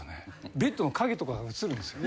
ベッドの影とかがうつるんですよ。